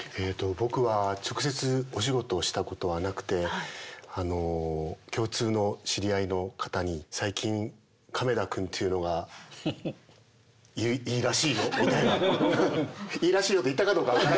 僕は直接お仕事をしたことはなくて共通の知り合いの方に最近亀田君っていうのがいいらしいよみたいな。いいらしいよって言ったかどうかは分からないですけども。